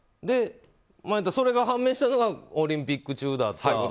で、それが判明したのがオリンピック中だった。